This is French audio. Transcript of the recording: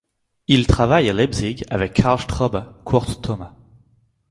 Il travaille à Leipzig avec Karl Straube, Kurt Thomas.